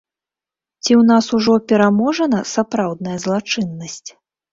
Ці ў нас ужо пераможана сапраўдная злачыннасць?